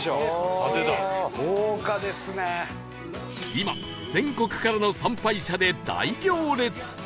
今全国からの参拝者で大行列！